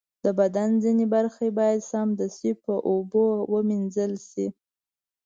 د بدن ځینې برخې باید سمدستي په اوبو ومینځل شي.